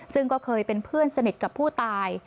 ซึ่งก็เคยเป็นเพื่อนสนิทกับผู้ตาย